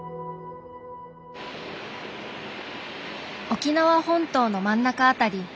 沖縄本島の真ん中辺り。